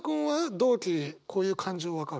同期こういう感情分かる？